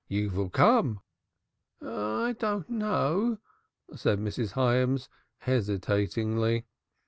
You vill come?" "I don't know," said Mrs. Hyams hesitatingly.